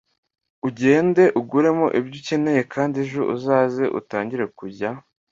ugende uguremo ibyo ucyeneye kandi ejo uzaze utangire kujya